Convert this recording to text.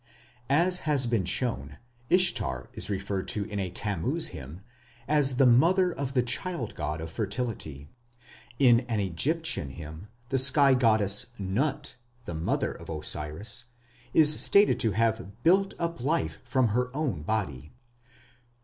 As has been shown, Ishtar is referred to in a Tammuz hymn as the mother of the child god of fertility. In an Egyptian hymn the sky goddess Nut, "the mother" of Osiris, is stated to have "built up life from her own body".